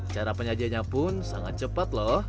cara penyajiannya pun sangat cepat loh